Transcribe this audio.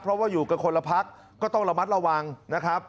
เพราะว่าอยู่กันคนละพักก็ต้องระมัดระวังนะครับ